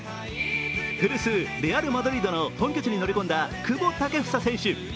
古巣、レアル・マドリードの本拠地に乗り込んだ久保建英選手。